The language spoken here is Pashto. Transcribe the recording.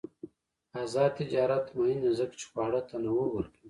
آزاد تجارت مهم دی ځکه چې خواړه تنوع ورکوي.